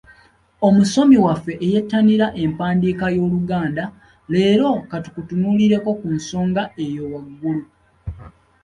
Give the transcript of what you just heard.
Omusomi waffe eyettanira empandiika y’Oluganda, leero ka tutunuulireko ku nsonga eyo waggulu.